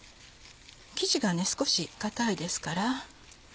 生地が少し硬いですから。